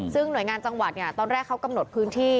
ซึ่งหน่วยงานจังหวัดตอนแรกเขากำหนดพื้นที่